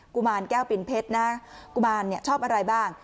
ุมารแก้วปิ่นเพชรนะกุมารชอบอะไรบ้าง